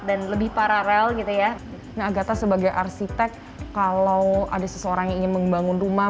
dan lebih paralel gitu ya nah agatha sebagai arsitek kalau ada seseorang ingin membangun rumah